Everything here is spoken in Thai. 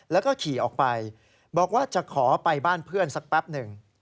แล้วก็ขี่ออกไปบอกว่าจะขอไปบ้านเพื่อนสักแป๊บหนึ่ง